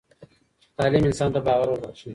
تعلیم انسان ته باور وربخښي.